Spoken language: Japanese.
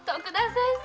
・先生！